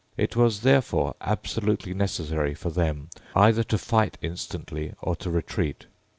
It was therefore absolutely necessary for them either to fight instantly or to retreat.